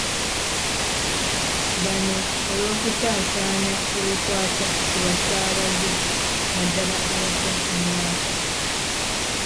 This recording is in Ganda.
Bano olw'okusaasaanya ebikwata ku basaabaze naddala abato mu myaka